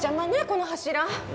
この柱。